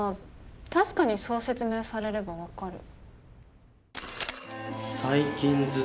確かにそう説明されれば分かる。